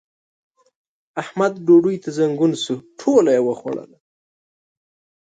احمد ډوډۍ ته زنګون شو؛ ټوله يې وخوړله.